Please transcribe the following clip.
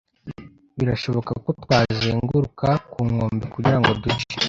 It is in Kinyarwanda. birashoboka ko twazenguruka ku nkombe kugira ngo duce. ”